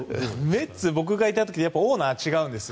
メッツ、僕がいた時オーナーが違うんです。